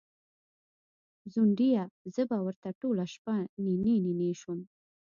ځونډیه! زه به ورته ټوله شپه نینې نینې شوم